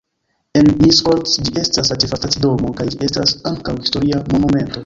En Miskolc ĝi estas la ĉefa stacidomo kaj ĝi estas ankaŭ historia monumento.